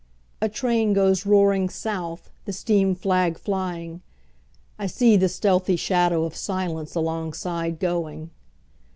A train goes roaring south, The steam flag flying;I see the stealthy shadow of silenceAlongside going.